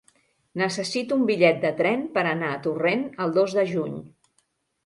Necessito un bitllet de tren per anar a Torrent el dos de juny.